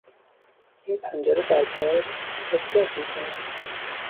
این پنجره در باد تق تق میکند.